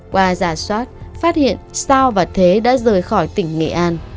qua giả soát phát hiện sao và thế đã rời khỏi tỉnh nghệ an